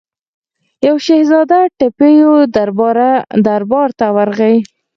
یوه شهزاده ټیپو دربار ته ورغی.